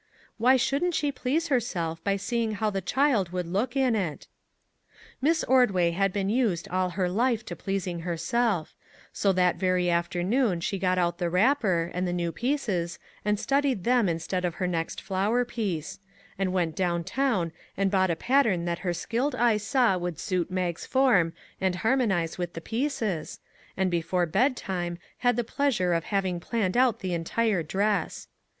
Why shouldn't she please herself by seeing how the child would look in it ? Miss Ordway had been used all her life to pleasing herself ; so that very afternoon she got out the wrapper, and the new pieces, and studied them instead of her next flower piece; and went down town and bought a pattern that her skilled eye saw would suit Mag's form and harmonize with the pieces, and before bedtime had the pleasure of having planned out the en 146 DISCOVERIES tire dress.